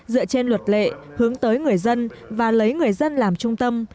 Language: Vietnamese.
dựa trên luật lệ hướng tới người dân và lấy người dân làm trung tâm